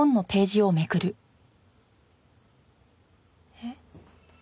えっ？